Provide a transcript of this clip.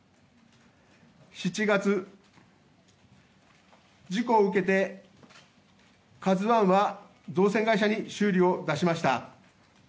７月、事故を受けて「ＫＡＺＵ１」は造船会社に修理を出しました。